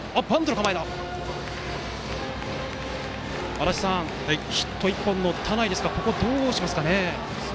足達さんヒット１本の田内ですがここはどうしますかね？